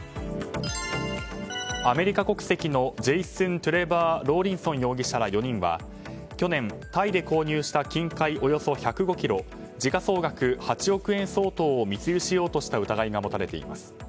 アメリカ国籍のジェイスン・トゥレヴァー・ローリンソン容疑者ら４人は去年、タイで購入した金塊およそ１０５ｋｇ時価総額８億円相当を密輸しようとした疑いが持たれています。